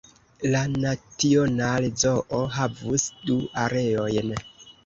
La "National Zoo" havas du areojn.